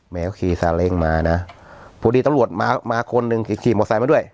แมวขี่ซาเล้งมานะพอดีตำรวจมามาคนหนึ่งขี่มอไซค์มาด้วย